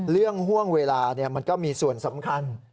ห่วงเวลามันก็มีส่วนสำคัญ